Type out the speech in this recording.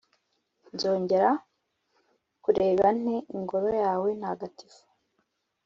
nzongera kureba nte ingoro yawe ntagatifu?’